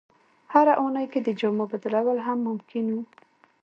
هره اونۍ کې د جامو بدلول هم ممکن وو.